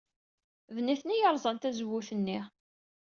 D nitni ay yerẓan tazewwut-nni.